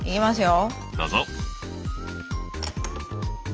どうぞ。